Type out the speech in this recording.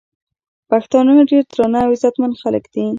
پښتانه ډير درانه او عزتمن خلک دي